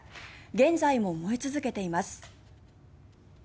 現在も燃え続けています。